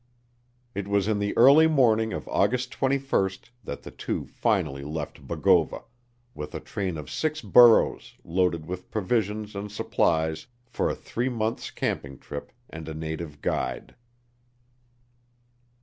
It was in the early morning of August 21 that the two finally left Bogova, with a train of six burros loaded with provisions and supplies for a three months' camping trip, and a native guide.